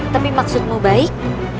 tapi maksudmu baik